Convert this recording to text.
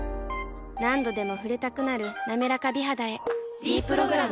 何度でも触れたくなる「なめらか美肌」へ「ｄプログラム」